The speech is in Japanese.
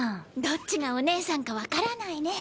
どっちがお姉さんかわからないね。